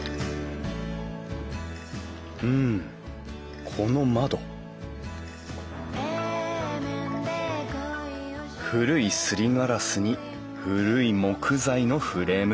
うんこの窓古いすりガラスに古い木材のフレーム。